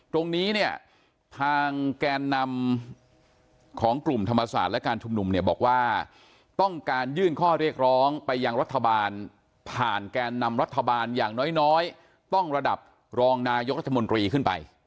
ตรงนี้เนี่ยทางแกนนำของกลุ่มธรรมศาสตร์และการชุมนุมเนี่ยบอกว่าต้องการยื่นข้อเรียกร้องไปยังรัฐบาลผ่านแกนนำรัฐบาลอย่างน้อยต้องระดับรองนายกรัฐมนตรีขึ้นไป